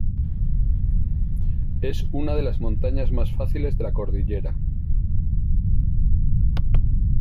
Es una de las montañas más fáciles de la cordillera.